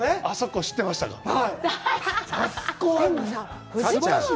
あそこ知ってましたか。